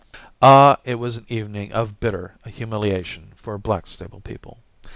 Ah, it was an evening of bitter humiliation for Blackstable people.